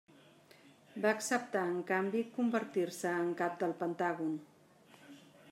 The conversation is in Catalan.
Va acceptar en canvi convertir-se en cap del Pentàgon.